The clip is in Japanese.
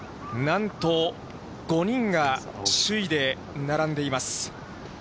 なんと５人が首位で並んでいます。